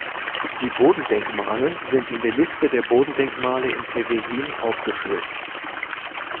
Die Bodendenkmale sind in der Liste der Bodendenkmale in Päwesin aufgeführt.